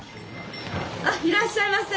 あっいらっしゃいませ。